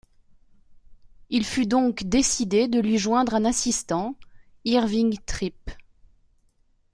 Il fut donc décidé de lui joindre un assistant, Irving Tripp.